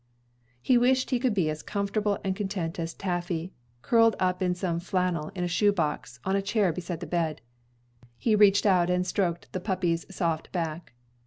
He wished he could be as comfortable and content as Taffy, curled up in some flannel in a shoe box, on a chair beside the bed. He reached out, and stroked the puppy's soft back.